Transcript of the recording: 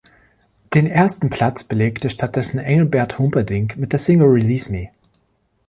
Den ersten Platz belegte stattdessen Engelbert Humperdinck mit der Single "Release Me".